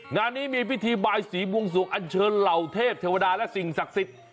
งานนี้มีพิธีบายสีบวงสวงอันเชิญเหล่าเทพเทวดาและสิ่งศักดิ์สิทธิ์